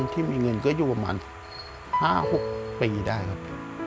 ที่มีเงินก็อยู่ประมาณ๕๖ปีได้ครับ